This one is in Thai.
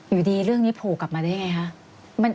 อยู่ดีเรื่องนี้โผล่กลับมาได้ยังไงคะ